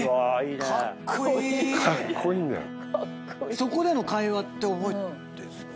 そこでの会話って覚えてるんですか？